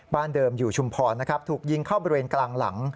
บ้านเดิมอยู่ชุมพลถูกยิงเข้าบริเวณกลางหลัง